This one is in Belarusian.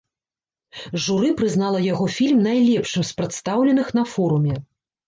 Журы прызнала яго фільм найлепшым з прадстаўленых на форуме.